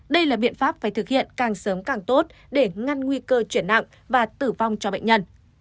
đây là biện pháp phải thực hiện càng sớm càng tốt để ngăn nguy cơ chuyển nặng và tử vong cho bệnh nhân